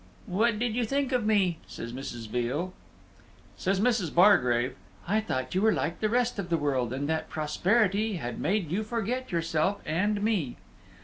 "What did you think of me?" says Mrs. Veal. Says Mrs. Bargrave, "I thought you were like the rest of the world, and that prosperity had made you forget yourself and me."